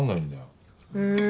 へえ。